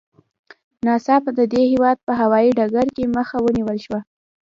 ناڅاپه د دې هېواد په هوايي ډګر کې مخه ونیول شوه.